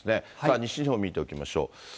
西日本見ておきましょう。